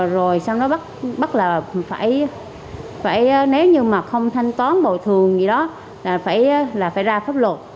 rồi sau đó bắt là phải nếu như mà không thanh toán bồi thường gì đó là phải là phải ra pháp luật